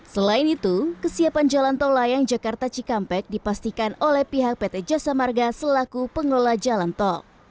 selain itu kesiapan jalan tol layang jakarta cikampek dipastikan oleh pihak pt jasa marga selaku pengelola jalan tol